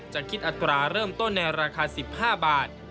จะคิดอัตราเริ่มต้นในราคา๑๕บาท